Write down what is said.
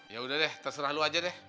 yaudah deh terserah lu aja deh